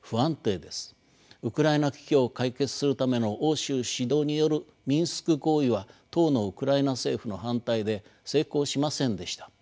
ウクライナ危機を解決するための欧州主導によるミンスク合意は当のウクライナ政府の反対で成功しませんでした。